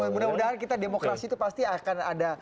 mudah mudahan kita demokrasi itu pasti akan ada